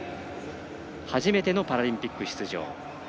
初めてのパラリンピック出場。